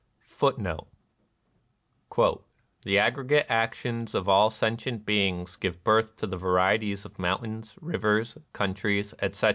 ^^" The aggregate actions of all sentient beings give birth to the varieties of mountains, rivers, countries, etc. .